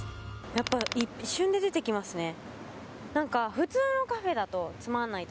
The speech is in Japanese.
やっぱ一瞬で出てきますね。